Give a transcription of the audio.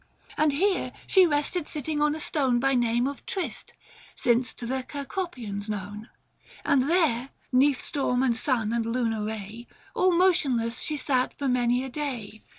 And here she rested, sitting on a stone By name of " Trist," since to Cecropians known ; And there, 'neath storm and sun and lunar ray, 565 All motionless she sat for many a day.